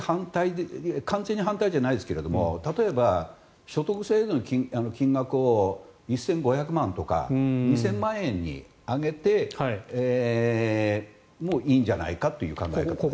完全に反対じゃないですけど例えば所得制限の金額を１５００万とか２０００万円に上げてもいいんじゃないかという考え方ですね。